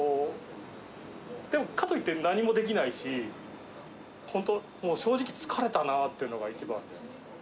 でも、かといって何もできないし、本当、もう正直疲れたなっっていうのが一番ですね。